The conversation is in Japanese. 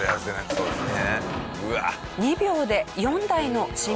そうですよね。